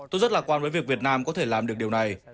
tôi rất lạc quan với việc việt nam có thể làm được điều này